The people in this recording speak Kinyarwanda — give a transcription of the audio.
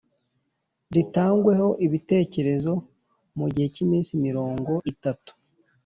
ritangweho ibitekerezo mu gihe cy iminsi mirongo itatu